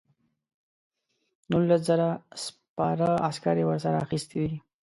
نولس زره سپاره عسکر یې ورسره اخیستي دي.